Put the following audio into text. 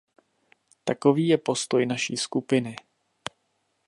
Takový je postoj naší skupiny.